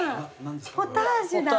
ポタージュだ。